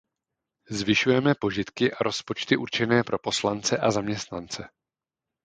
Zvyšujeme požitky a rozpočty určené pro poslance a zaměstnance.